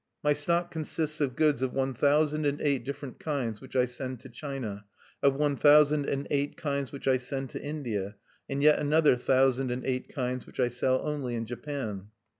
"My stock consists of goods of one thousand and eight different kinds which I send to China, of one thousand and eight kinds which I send to India, and yet another thousand and eight kinds which I sell only in Japan.